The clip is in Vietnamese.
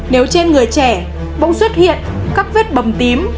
nếu trên người trẻ bông xuất hiện các vết bầm tím